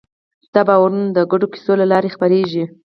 دا باورونه د ګډو کیسو له لارې خپرېږي.